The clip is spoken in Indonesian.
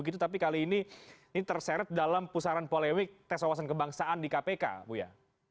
tapi kali ini terseret dalam pusaran polemik tes wawasan kebangsaan di kpk buya